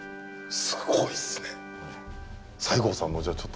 すごいっすね。